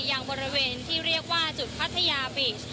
อย่างบริเวณที่เรียกว่าจุดพัทยาบิ่ง